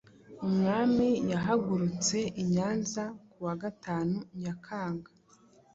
Umwami yahagurutse i Nyanza kuwa Gatanu Nyakanga,